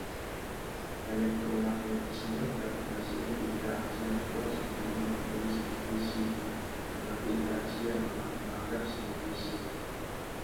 Elektromagnetisme, gravitasi dan interaksi yang kuat semuanya mematuhi simetri C, tetapi interaksi yang lemah melanggar simetri C.